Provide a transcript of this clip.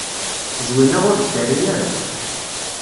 Zwina ur d-terri ara.